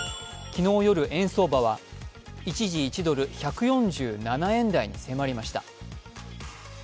昨日夜、円相場は一時、１ドル＝１４７円台に迫りました。